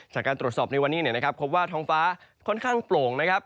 จากการตรวจสอบในวันนี้นะครับพบว่าท้องฟ้าค่อนข้างโปร่งนะครับ